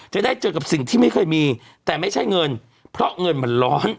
จะได้เจอกับสิ่งที่ไม่เคยมีแต่ไม่ใช่เงินเพราะเงินมันร้อน